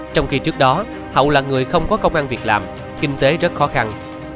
trong khi trước đó hậu là người không có công an việc làm kinh tế rất khó khăn